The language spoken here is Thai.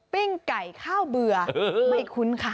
ไก่ข้าวเบื่อไม่คุ้นค่ะ